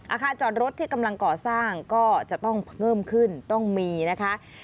อาคารจอดรถที่กำลังก่อสร้างก็จะต้องเพิ่มขึ้นต้องมีนะคะ